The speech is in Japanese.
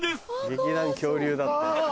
「劇団恐竜」だって。